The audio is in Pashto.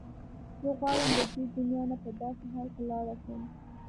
زه غواړم له دې دنیا نه په داسې حال کې لاړه شم.